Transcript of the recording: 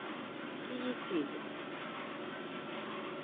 Efk-iyi-t-id!